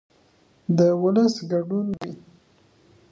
د ولس ګډون د پرېکړو کیفیت لوړوي او د نارضایتۍ کچه راکموي